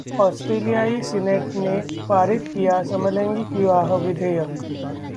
आस्ट्रेलियाई senate ने पारित किया समलैंगिक विवाह विधेयक